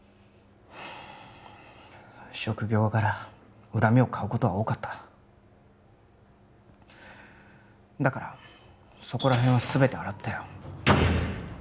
職業柄恨みを買うことは多かっただからそこらへんは全て洗ったよ